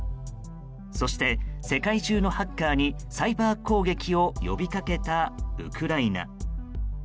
そして、世界中のハッカーにサイバー攻撃を呼びかけたウクライナ。